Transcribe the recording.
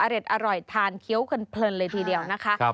อร่อยทานเคี้ยวเพลินเลยทีเดียวนะคะ